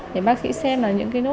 có nổi nhiều nốt quấy khóc